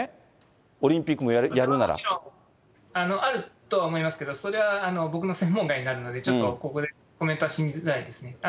それはもちろんあるとは思いますけど、それは僕の専門外になるので、ちょっとここでコメントはしづらいですね。